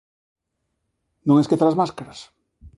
Non esquezas as máscaras.